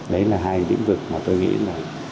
đấy là hai lĩnh vực mà tôi nghĩ là